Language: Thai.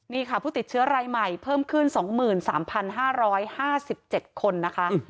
นี่ค่ะผู้ติดเชื้อรายใหม่เพิ่มขึ้น๒๓๕๕๗คนนะคะ